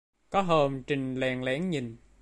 Có hôm Trinh len lén nhìn